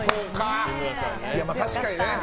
確かにね。